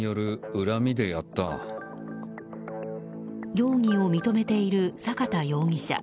容疑を認めている坂田容疑者。